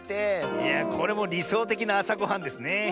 いやこれもりそうてきなあさごはんですね。